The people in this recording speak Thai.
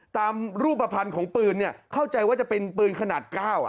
ตามรูปภัณฑ์ของปืนเนี่ยเข้าใจว่าจะเป็นปืนขนาด๙